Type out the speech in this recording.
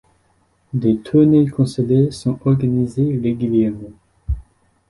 Des tournées consulaires sont organisées régulièrement.